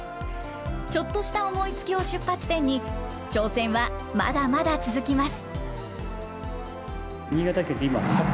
ちょっとした思いつきを出発点に、挑戦はまだまだ続きます。